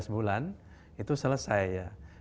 bulan itu selesai